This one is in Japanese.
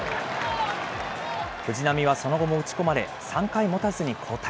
藤浪はその後も打ち込まれ、３回もたずに交代。